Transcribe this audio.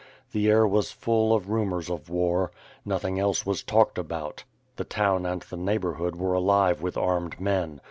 The air was full of rumors of war. Nothing else was talked about. The town and the neighborhood were alive with armed men.